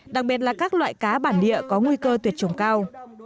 đặc biệt là các loại cá bản địa có nguy cơ tuyệt chủng cao